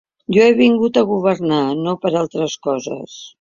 Jo he vingut a governar… no per a altres coses.